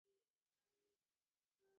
তিনি তা গোপন রাখেন।